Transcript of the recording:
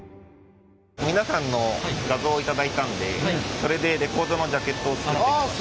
皆さんの画像を頂いたんでそれでレコードのジャケットを作ってみました。